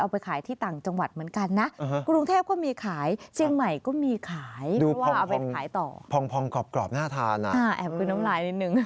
แปลกดีนะคะ